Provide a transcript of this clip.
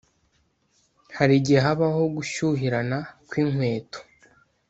Hari igihe habaho gushyuhirana kw’inkweto